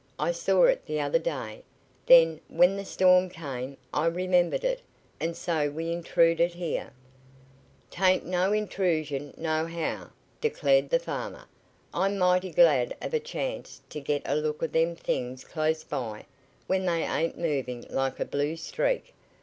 "I saw it the other day; then, when the storm came, I remembered it, and so we intruded here." "'Tain't no intrusion, nohow," declared the farmer. "I'm mighty glad of a chance t' git a look at them things close by, when they ain't movin' like a blue streak.